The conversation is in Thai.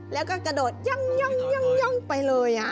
แล้วก็กระโดดย่องไปเลย